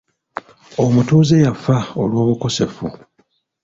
Omutuuze yafa olw'obukosefu.